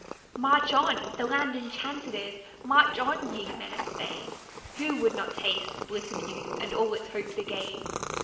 "March on, the land enchanted is; march on, ye men of Spain; Who would not taste the bliss of youth and all its hopes again.